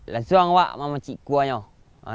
langsung memacik kuahnya